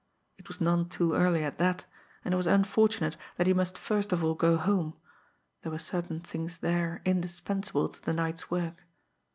It was none too early at that, and it was unfortunate that he must first of all go home there were certain things there indispensable to the night's work.